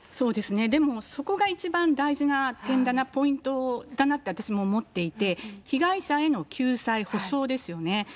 でもそこが一番大事な点だな、ポイントだなって私も思っていて、被害者への救済・補償ですよね。